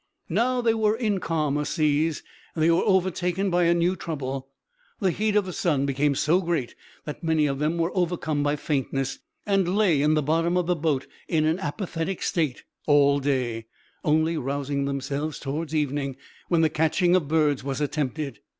Now they were in calmer seas, they were overtaken by a new trouble. The heat of the sun became so great that many of them were overcome by faintness, and lay in the bottom of the boat in an apathetic state all day, only rousing themselves toward evening, when the catching of birds was attempted.